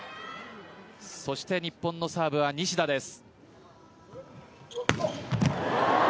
日本のサーブは西田です。